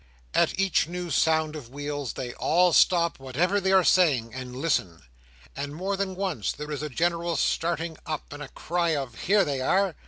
At each new sound of wheels, they all stop, whatever they are saying, and listen; and more than once there is a general starting up and a cry of "Here they are!"